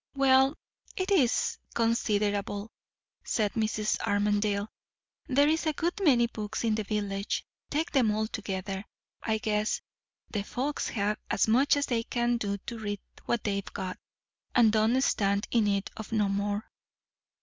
"Well, it is, considerable," said Mrs. Armadale. "There's a good many books in the village, take 'em all together. I guess the folks have as much as they can do to read what they've got, and don't stand in need of no more."